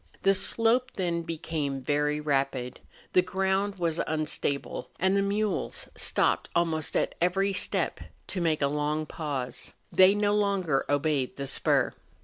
The slope then became very rapid, the ground was unstable, and the mules stopped almost at every step to make a long pause; they no longer obeyed the spur.